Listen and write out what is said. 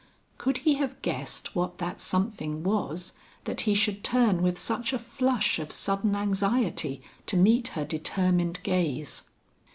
Could he have guessed what that something was that he should turn with such a flush of sudden anxiety to meet her determined gaze.